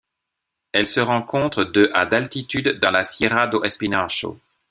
Elle se rencontre de à d'altitude dans la Serra do Espinhaço.